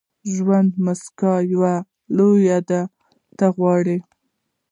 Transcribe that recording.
• ژوند د موسکاو یوه لړۍ ده، که ته وغواړې.